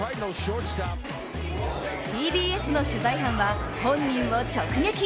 ＴＢＳの取材班は本人を直撃。